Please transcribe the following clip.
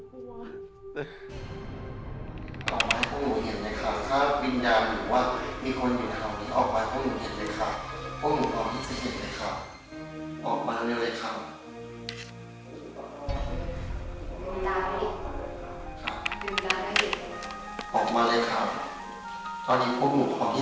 ออกมาเลยครับตอนนี้พวกหนูต้องที่จะเห็นทุกอย่างนะครับ